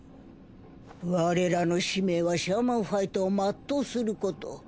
我らの使命はシャーマンファイトを全うすること。